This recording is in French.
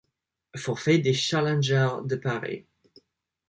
Forfait des Challengers de Paris.